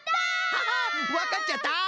ハハッわかっちゃった！